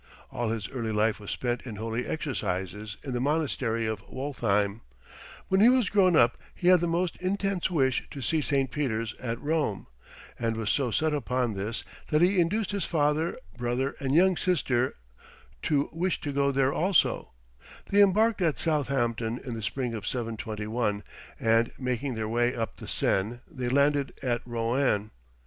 All his early life was spent in holy exercises in the monastery of Woltheim; when he was grown up he had the most intense wish to see St. Peter's at Rome, and was so set upon this, that it induced his father, brother, and young sister to wish to go there also; they embarked at Southampton in the spring of 721, and making their way up the Seine, they landed at Rouen.